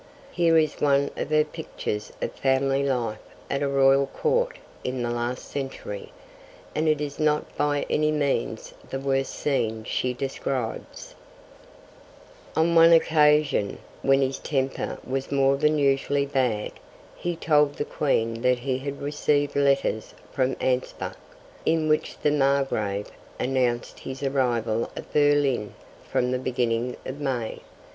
Here is one of her pictures of family life at a Royal Court in the last century, and it is not by any means the worst scene she describes: On one occasion, when his temper was more than usually bad, he told the Queen that he had received letters from Anspach, in which the Margrave announced his arrival at Berlin for the beginning of May.